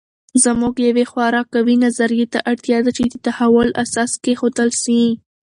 زموږ یوې خورا قوي نظریې ته اړتیا ده چې د تحول اساس کېښودل سي.